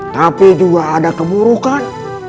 tapi juga ada keburukan